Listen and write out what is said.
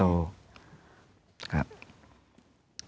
ครับ